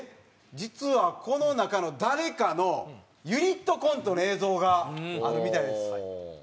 実はこの中の誰かのユニットコントの映像があるみたいです。